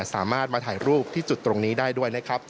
สามารถมาถ่ายรูปที่จุดตรงนี้ได้ด้วยนะครับ